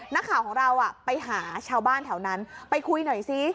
นักข่าวของเราไปหาชาวบ้านแถวนั้นไปคุยหน่อยซิ